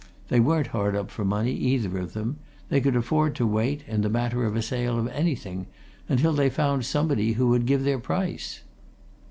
They weren't hard up for money, either of them; they could afford to wait, in the matter of a sale of anything, until they found somebody who would give their price."